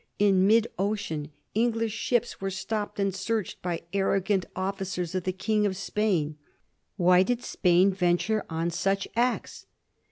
In mid ocean English ships were stopped and searched by arrogant officers of the King of Spain. Why did Spain venture on such acts